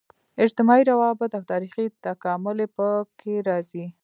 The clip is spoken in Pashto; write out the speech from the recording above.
اجتماعي روابط او تاریخي تکامل یې په کې راځي.